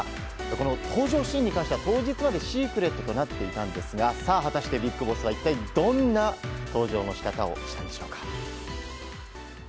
この登場シーンに関しては当日までシークレットとなっていたんですがさあ果たしてビッグボスはどんな登場の仕方をしたんでしょうか。